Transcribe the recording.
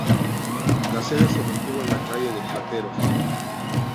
La sede se mantuvo en la calle de Plateros.